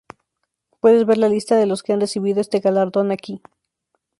Puedes ver la lista de los que han recibido este galardón aquí.